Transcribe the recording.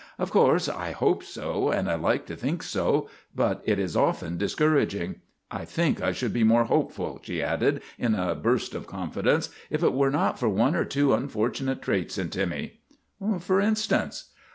"Of course, I hope so, and I like to think so, but it is often discouraging. I think I should be more hopeful," she added in a burst of confidence, " if it were not for one or two unfortu nate traits in Timmy." " For instance?